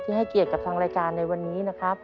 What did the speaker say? ให้เกียรติกับทางรายการในวันนี้นะครับ